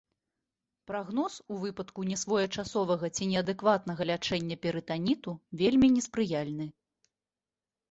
Прагноз у выпадку несвоечасовага ці неадэкватнага лячэння перытаніту вельмі неспрыяльны.